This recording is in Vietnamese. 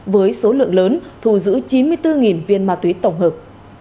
với số lượng lớn thù giữ chín mươi bốn viên ma túy tổng hợp